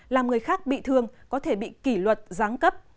làm người khác bị thương có thể bị kỷ luật giáng cấp